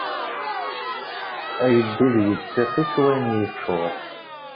Ayeddid yettiqi s wayen yeččuṛ.